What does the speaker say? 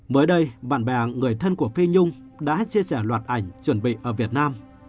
mới đây bạn bè người thân của phi nhung đã chia sẻ loạt ảnh chuẩn bị ở việt nam